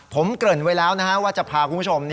ผมเกริ่นไว้แล้วว่าจะพาคุณผู้ชม